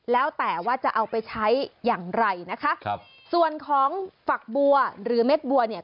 แล้วแต่ว่าจะเอาไปใช้อย่างไรนะคะครับส่วนของฝักบัวหรือเม็ดบัวเนี่ย